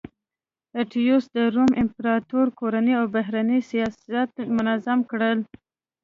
اتیوس د روم امپراتورۍ کورنی او بهرنی سیاست منظم کړ